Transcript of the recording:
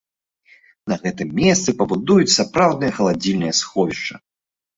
На гэтым месцы пабудуюць сапраўднае халадзільнае сховішча.